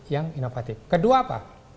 yang inovatif kedua apa